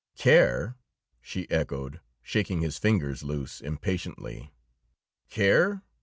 "Care!" she echoed, shaking his fingers loose impatiently. "Care?